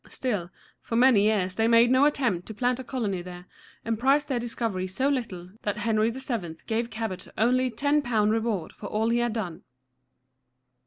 Still, for many years they made no attempt to plant a colony there, and prized their discovery so little that Henry VII. gave Cabot only £10 reward for all he had done.